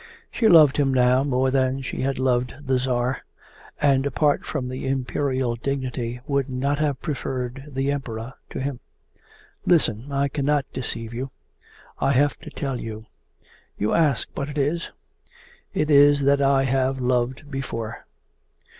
She loved him now more than she had loved the Tsar, and apart from the Imperial dignity would not have preferred the Emperor to him. 'Listen! I cannot deceive you. I have to tell you. You ask what it is? It is that I have loved before.